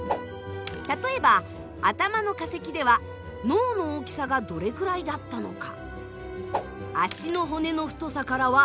例えば頭の化石では脳の大きさがどれくらいだったのか。